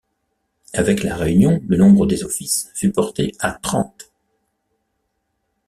Avec la réunion, le nombre des offices fut porté à trente.